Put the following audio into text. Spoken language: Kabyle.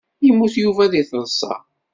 Yemmut Yuba deg taḍsa.